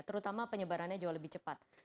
terutama penyebarannya jauh lebih cepat